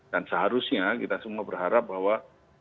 dan seharusnya kita semua berharap bahwa